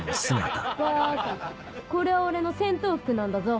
ばかこれは俺の戦闘服なんだぞ。